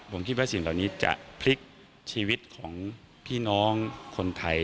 ผมคิดว่าสิ่งเหล่านี้จะพลิกชีวิตของพี่น้องคนไทย